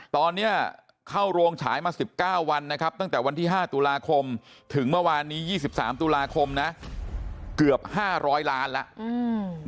ตอนนี้เข้าโรงฉายมา๑๙วันนะครับตั้งแต่วันที่ห้าตุลาคมถึงเมื่อวานนี้๒๓ตุลาคมนะเกือบห้าร้อยล้านแล้วอืม